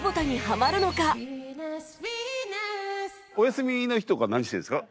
お休みの日とか何してるんですか？